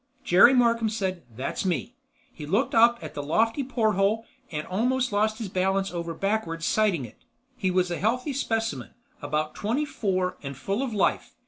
Jerry Markham said, "That's me!" He looked up at the lofty porthole and almost lost his balance over backwards sighting it. He was a healthy specimen, about twenty four and full of life.